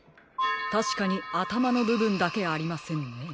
たしかにあたまのぶぶんだけありませんね。